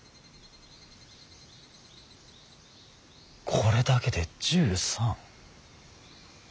これだけで１３。